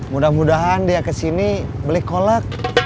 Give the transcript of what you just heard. mudah mudahan dia ke sini beli kolak